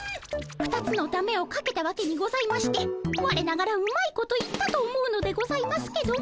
２つのダメをかけたわけにございましてわれながらうまいこと言ったと思うのでございますけども。